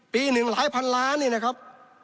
หนึ่งหลายพันล้านนี่นะครับ